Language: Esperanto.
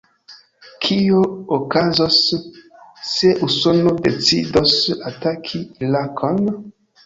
Kio okazos, se Usono decidos ataki Irakon?